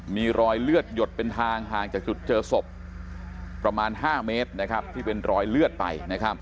มีรอยเลือดหยดเป็นทางห่างจากจุดเจอศพประมาณ๕เมตรที่เป็นรอยเลือดไป